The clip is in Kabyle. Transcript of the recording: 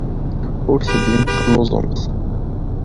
Ur tellimt telluẓemt.